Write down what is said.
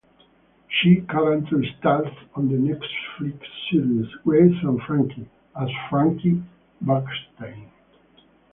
She currently stars on the Netflix series "Grace and Frankie" as Frankie Bergstein.